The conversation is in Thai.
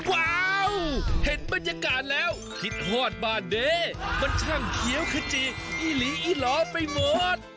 ว้าวเห็นบรรยากาศแล้วคิดฮอดบ้านเด้มันช่างเขียวขจีอีหลีอีหล่อไปหมด